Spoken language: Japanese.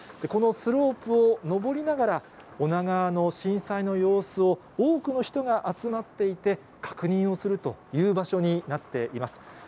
このスロープを上りながら、女川の震災の様子を多くの人が集まっていて、確認をするという場所になっています。